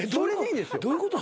どういうこと？